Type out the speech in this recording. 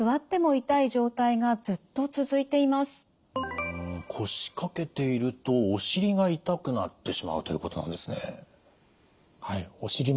うん腰かけているとお尻が痛くなってしまうということなんですね。